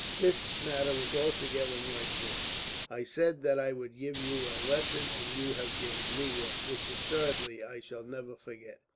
This matter was altogether my fault. I said that I would give you a lesson, and you have given me one, which assuredly I shall never forget.